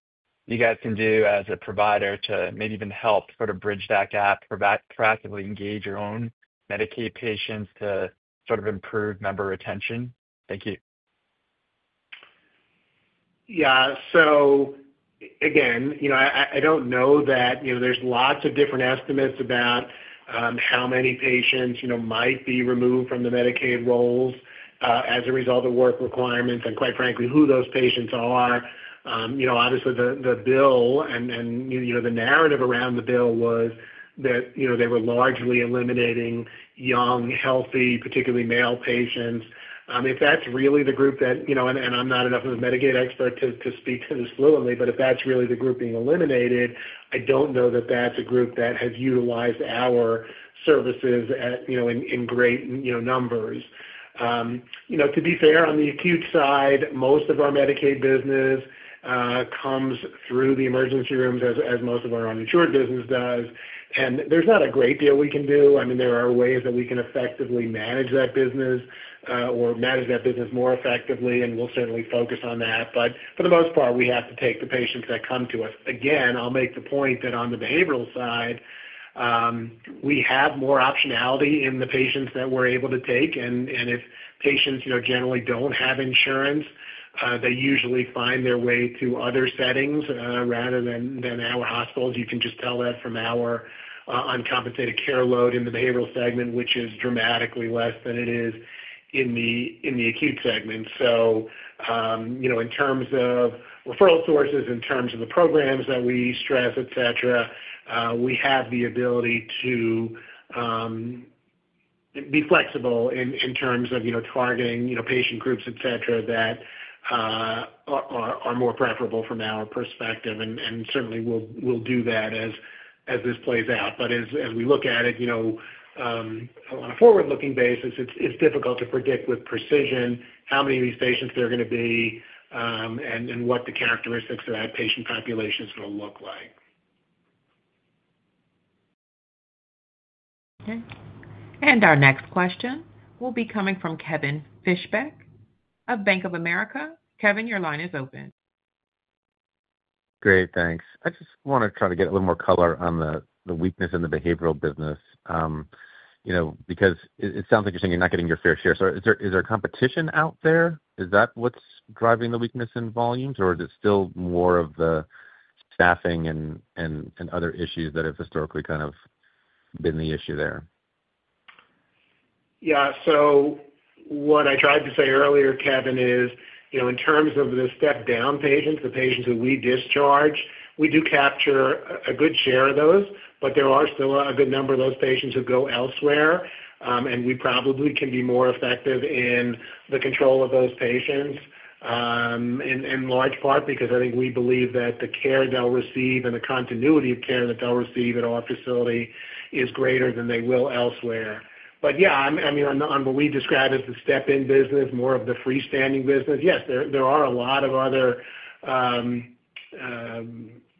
you guys can do as a provider to maybe even help sort of bridge that gap, proactively engage your own Medicaid patients to sort of improve member retention? Thank you. Yeah. So, again, I don't know that there's lots of different estimates about how many patients might be removed from the Medicaid rolls as a result of work requirements and, quite frankly, who those patients are. Obviously, the bill and the narrative around the bill was that they were largely eliminating young, healthy, particularly male patients. If that's really the group that—and I'm not enough of a Medicaid expert to speak to this fluently—but if that's really the group being eliminated, I don't know that that's a group that has utilized our services in great numbers. To be fair, on the acute side, most of our Medicaid business comes through the emergency rooms as most of our uninsured business does. There's not a great deal we can do. I mean, there are ways that we can effectively manage that business or manage that business more effectively, and we'll certainly focus on that. For the most part, we have to take the patients that come to us. Again, I'll make the point that on the behavioral side, we have more optionality in the patients that we're able to take. If patients generally don't have insurance, they usually find their way to other settings rather than our hospitals. You can just tell that from our uncompensated care load in the behavioral segment, which is dramatically less than it is in the acute segment. In terms of referral sources, in terms of the programs that we stress, etc., we have the ability to be flexible in terms of targeting patient groups, etc., that are more preferable from our perspective. Certainly, we'll do that as this plays out. As we look at it on a forward-looking basis, it's difficult to predict with precision how many of these patients there are going to be and what the characteristics of that patient population is going to look like. Okay. Our next question will be coming from Kevin Fischbeck of Bank of America. Kevin, your line is open. Great. Thanks. I just want to try to get a little more color on the weakness in the behavioral business. Because it sounds like you're saying you're not getting your fair share. Is there competition out there? Is that what's driving the weakness in volumes, or is it still more of the staffing and other issues that have historically kind of been the issue there? Yeah. What I tried to say earlier, Kevin, is in terms of the step-down patients, the patients that we discharge, we do capture a good share of those. There are still a good number of those patients who go elsewhere. We probably can be more effective in the control of those patients. In large part because I think we believe that the care they'll receive and the continuity of care that they'll receive at our facility is greater than they will elsewhere. Yeah, I mean, on what we describe as the step-in business, more of the freestanding business, yes, there are a lot of other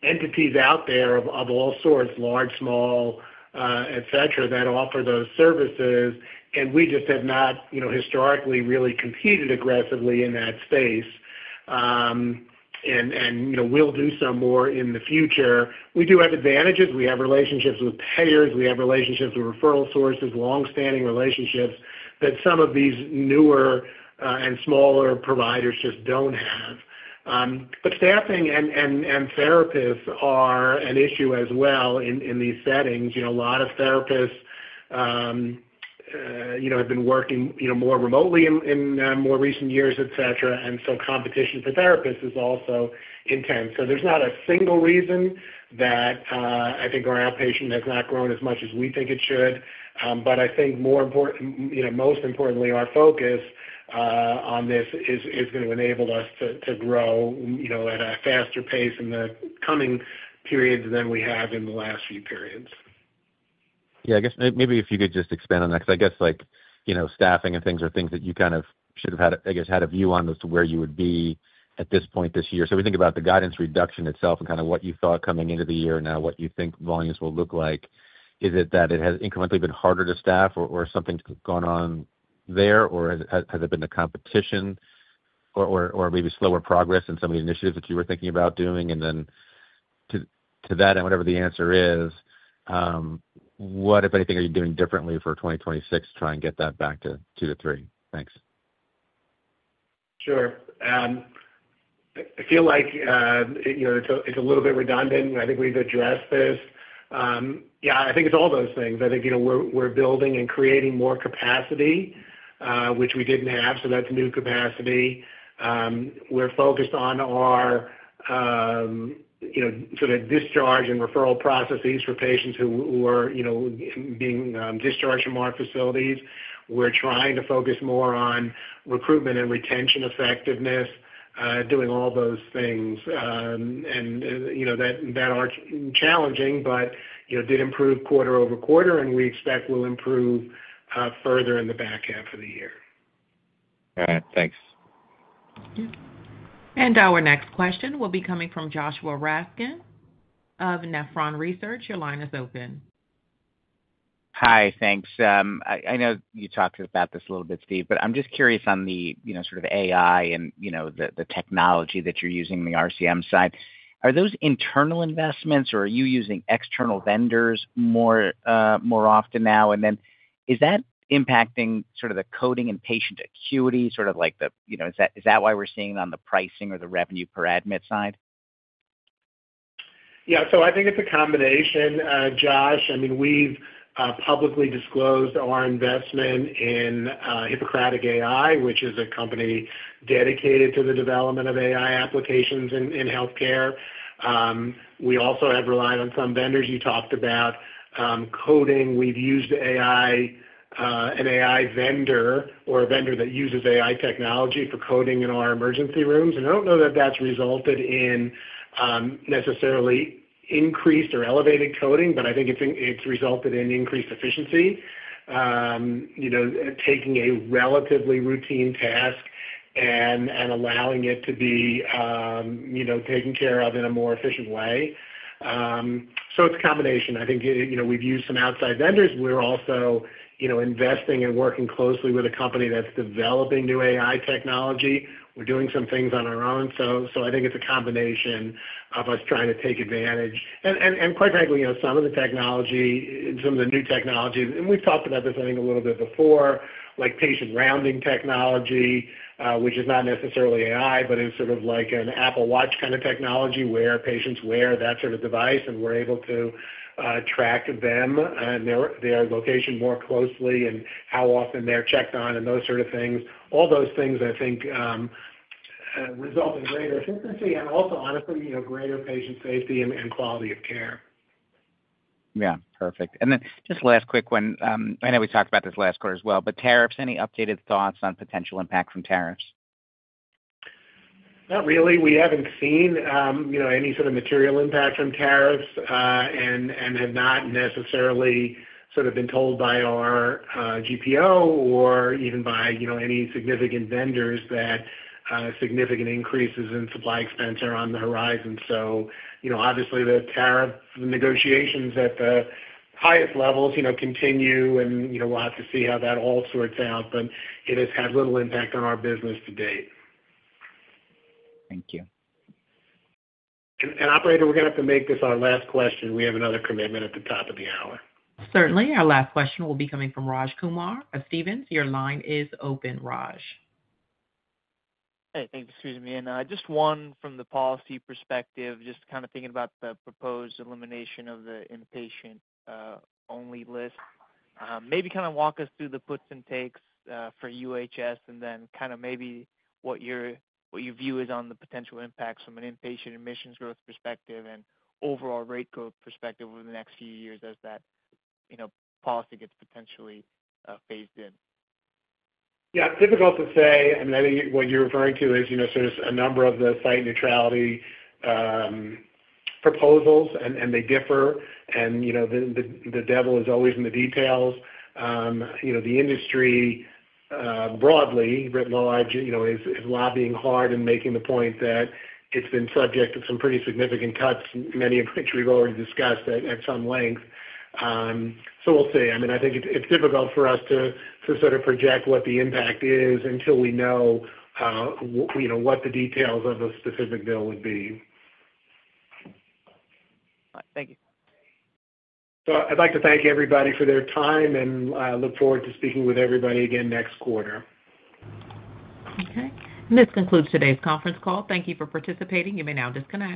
entities out there of all sorts, large, small, etc., that offer those services. We just have not historically really competed aggressively in that space. We'll do so more in the future. We do have advantages. We have relationships with payers. We have relationships with referral sources, long-standing relationships that some of these newer and smaller providers just don't have. Staffing and therapists are an issue as well in these settings. A lot of therapists have been working more remotely in more recent years, etc., and competition for therapists is also intense. There's not a single reason that I think our outpatient has not grown as much as we think it should. I think most importantly, our focus on this is going to enable us to grow at a faster pace in the coming periods than we have in the last few periods. Yeah. I guess maybe if you could just expand on that because I guess staffing and things are things that you kind of should have had, I guess, had a view on as to where you would be at this point this year. If we think about the guidance reduction itself and kind of what you thought coming into the year and now what you think volumes will look like. Is it that it has incrementally been harder to staff or something's gone on there, or has it been the competition? Or maybe slower progress in some of the initiatives that you were thinking about doing? To that and whatever the answer is, what, if anything, are you doing differently for 2026 to try and get that back to two to three? Thanks. Sure. I feel like it's a little bit redundant. I think we've addressed this. Yeah, I think it's all those things. I think we're building and creating more capacity, which we didn't have. That's new capacity. We're focused on our sort of discharge and referral processes for patients who are being discharged from our facilities. We're trying to focus more on recruitment and retention effectiveness, doing all those things that are challenging, but did improve quarter over quarter, and we expect will improve further in the back half of the year. All right. Thanks. Our next question will be coming from Joshua Raskin of Nephron Research. Your line is open. Hi. Thanks. I know you talked about this a little bit, Steve, but I'm just curious on the sort of AI and the technology that you're using on the RCM side. Are those internal investments, or are you using external vendors more often now? Is that impacting sort of the coding and patient acuity, sort of like the—is that why we're seeing it on the pricing or the revenue per admit side? Yeah. I think it's a combination, Josh. I mean, we've publicly disclosed our investment in Hippocratic AI, which is a company dedicated to the development of AI applications in healthcare. We also have relied on some vendors you talked about. Coding, we've used AI. An AI vendor or a vendor that uses AI technology for coding in our emergency rooms. I don't know that that's resulted in necessarily increased or elevated coding, but I think it's resulted in increased efficiency. Taking a relatively routine task and allowing it to be taken care of in a more efficient way. It's a combination. I think we've used some outside vendors. We're also investing and working closely with a company that's developing new AI technology. We're doing some things on our own. I think it's a combination of us trying to take advantage. Quite frankly, some of the technology and some of the new technologies—and we've talked about this, I think, a little bit before—like patient rounding technology, which is not necessarily AI, but is sort of like an Apple Watch kind of technology where patients wear that sort of device and we're able to track them and their location more closely and how often they're checked on and those sort of things. All those things, I think, result in greater efficiency and also, honestly, greater patient safety and quality of care. Yeah. Perfect. And then just last quick one. I know we talked about this last quarter as well, but tariffs, any updated thoughts on potential impact from tariffs? Not really. We haven't seen any sort of material impact from tariffs and have not necessarily sort of been told by our GPO or even by any significant vendors that significant increases in supply expense are on the horizon. Obviously, the tariff negotiations at the highest levels continue, and we'll have to see how that all sorts out. It has had little impact on our business to date. Thank you. Operator, we're going to have to make this our last question. We have another commitment at the top of the hour. Certainly. Our last question will be coming from Raj Kumar of Stephens. Your line is open, Raj. Hey, thanks. Excuse me. Just one from the policy perspective, just kind of thinking about the proposed elimination of the inpatient-only list. Maybe kind of walk us through the puts and takes for UHS and then kind of maybe what your view is on the potential impacts from an inpatient admissions growth perspective and overall rate growth perspective over the next few years as that policy gets potentially phased in. Yeah. It's difficult to say. I mean, I think what you're referring to is sort of a number of the site neutrality proposals, and they differ. The devil is always in the details. The industry broadly, is lobbying hard and making the point that it's been subject to some pretty significant cuts, many of which we've already discussed at some length. We'll see. I mean, I think it's difficult for us to sort of project what the impact is until we know what the details of a specific bill would be. All right. Thank you. I'd like to thank everybody for their time, and I look forward to speaking with everybody again next quarter. Okay. This concludes today's conference call. Thank you for participating. You may now disconnect.